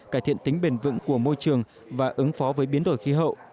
cải thiện tính bền vững của môi trường và ứng phó với biến đổi khí hậu